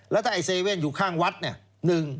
แล้วถ้าไอ้เซเว่นอยู่ข้างวัดเนี่ย